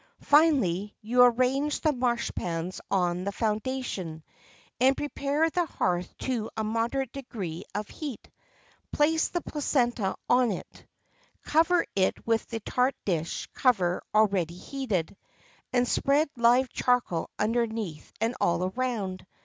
Finally, you arrange the marchpans on the foundation, and prepare the hearth to a moderate degree of heat; place the placenta on it; cover it with the tart dish cover already heated, and spread live charcoal underneath and all around.